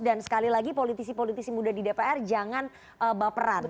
dan sekali lagi politisi politisi muda di dpr jangan baperan